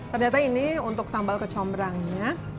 ternyata ini untuk sambal kecombrangnya